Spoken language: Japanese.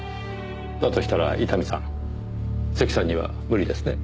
だとしたら伊丹さん関さんには無理ですね。